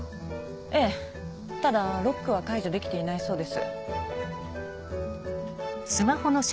ええただロックは解除できていないそうです。